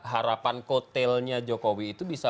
harapan kotelnya jokowi itu bisa